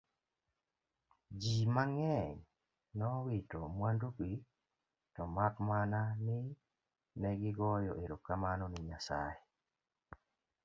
ji mang'eny nowito mwandugi to mak mana ni negigoyo erokamano ni Nyasaye